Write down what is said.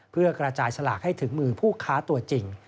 เพื่อกระจายสลากให้ถึงมือผู้ค้าตัวจริง